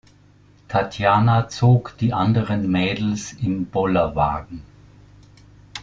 Tatjana zog die anderen Mädels im Bollerwagen.